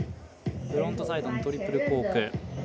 フロントサイドのトリプルコーク。